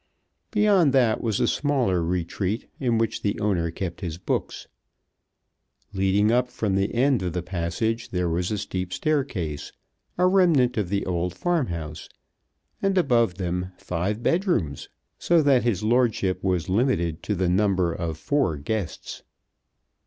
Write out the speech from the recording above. Beyond that was a smaller retreat in which the owner kept his books. Leading up from the end of the passage there was a steep staircase, a remnant of the old farm house, and above them five bed rooms, so that his lordship was limited to the number of four guests.